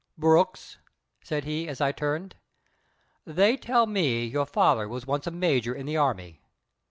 "Brooks," said he, as I turned, "they tell me your father was once a major in the Army.